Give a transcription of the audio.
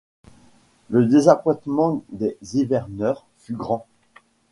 Le désappointement des hiverneurs fut grand.